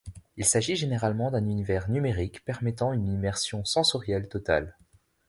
Il s’agit généralement d’un univers numérique permettant une immersion sensorielle totale.